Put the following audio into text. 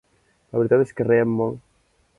La veritat és que rèiem molt.